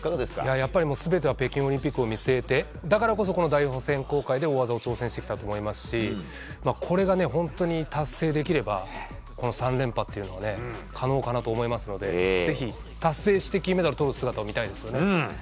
やっぱり全ては北京オリンピックを見据えてだからこそ代表選考会で大技を挑戦してきたと思いますしこれが本当に達成できれば３連覇も可能かなと思いますのでぜひ達成して金メダルをとる姿を見たいですよね。